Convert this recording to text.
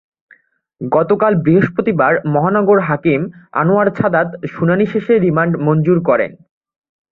গতকাল বৃহস্পতিবার মহানগর হাকিম আনোয়ার ছাদাত শুনানি শেষে রিমান্ড মঞ্জুর করেন।